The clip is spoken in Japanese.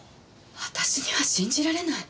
私には信じられない。